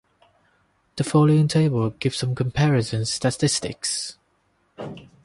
The following table gives some comparison statistics.